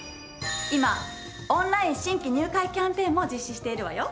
今オンライン新規入会キャンペーンも実施しているわよ。